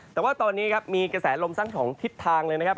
แต่ว่าตอนนี้มีกระแสลมสร้างของทิศทางเลยนะครับ